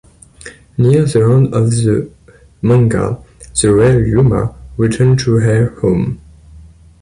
Near the end of the manga, the real Yuna returns to her home.